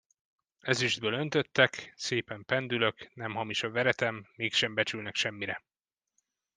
Ezüstből öntöttek, szépen pendülök, nem hamis a veretem, mégsem becsülnek semmire.